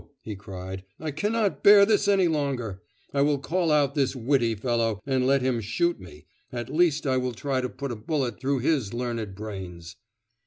he cried, 'I cannot bear this any longer! I will call out this witty fellow, and let him shoot me, at least I will try to put a bullet through his learned brains!